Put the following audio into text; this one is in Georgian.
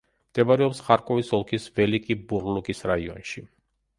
მდებარეობს ხარკოვის ოლქის ველიკი-ბურლუკის რაიონში.